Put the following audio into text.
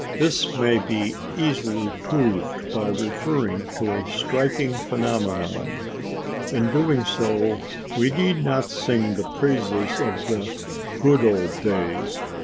This may be easily proved by referring to a striking phenomenon. In doing so we need not sing the praises of the "good old days."